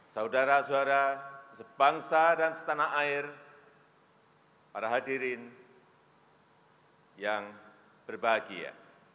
saudara saudara sebangsa dan setanah air para hadirin yang berbahagia